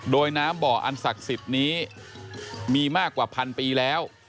โดยน้ำบ่ออันศักดิ์สิทธิ์นี้มีมากกว่าพันปีแล้ว